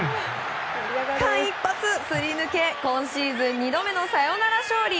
間一髪、すり抜け今シーズン２度目のサヨナラ勝利。